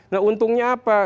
nah untungnya apa